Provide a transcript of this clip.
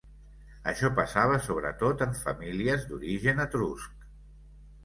Això passava sobretot en famílies d'origen etrusc.